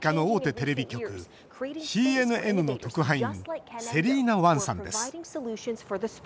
テレビ局ＣＮＮの特派員、セリーナ・ワンさんです。